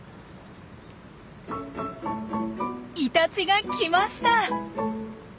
イタチが来ました！